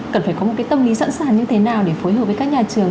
cần phải có một cái tâm lý sẵn sàng như thế nào để phối hợp với các nhà trường